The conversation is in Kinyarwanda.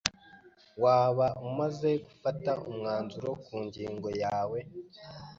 Waba umaze gufata umwanzuro ku ngingo yawe?